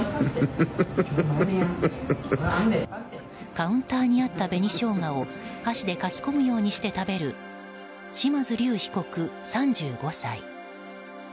カウンターにあった紅ショウガを箸でかき込むようにして食べる嶋津龍被告、３５歳。